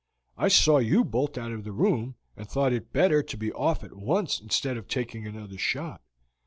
I saw you bolt out of the room, and thought it better to be off at once instead of taking another shot.